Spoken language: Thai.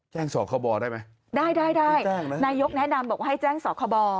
แจ้งส่อคบได้ไหมได้นายกแนะนำบอกให้แจ้งส่อคบ